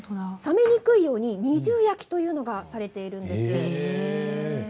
冷めにくいように二重焼きというのがされています。